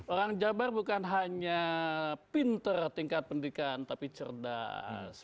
orang jabar bukan hanya pinter tingkat pendidikan tapi cerdas